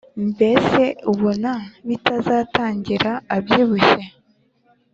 mbese ubona bitazatangira abyibushye